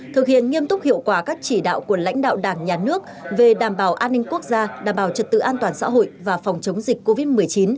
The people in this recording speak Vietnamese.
thực hiện nghiêm túc hiệu quả các chỉ đạo của lãnh đạo đảng nhà nước về đảm bảo an ninh quốc gia đảm bảo trật tự an toàn xã hội và phòng chống dịch covid một mươi chín